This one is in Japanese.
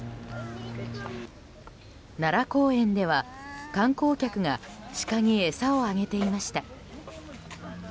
奈良公園では観光客がシカに餌をあげていました。